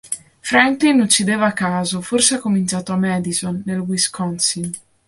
Franklin uccideva a caso; forse ha cominciato a Madison, nel Wisconsin.